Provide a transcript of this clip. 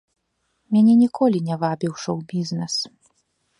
Мяне ніколі не вабіў шоў-бізнэс.